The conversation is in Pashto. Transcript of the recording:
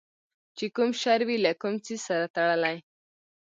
چې کوم شر وي له کوم څیز سره تړلی